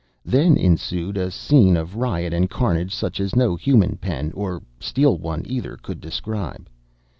Then ensued a scene of riot and carnage such as no human pen, or steel one either, could describe.